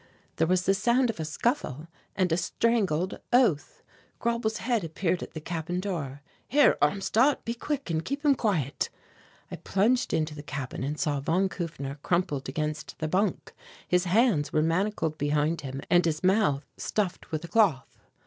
There was the sound of a scuffle and a strangled oath. Grauble's head appeared at the cabin door. "Here, Armstadt; be quick, and keep him quiet." I plunged into the cabin and saw von Kufner crumpled against the bunk; his hands were manacled behind him and his mouth stuffed with a cloth.